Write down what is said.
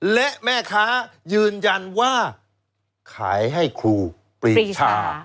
และแม่ค้ายืนยันว่าขายให้ครูปรีชา